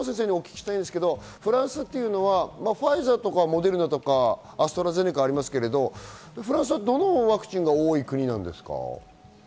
フランスはファイザーとかモデルナとかアストラゼネカありますけれども、フランスはどのワクチンが多い国なんですか？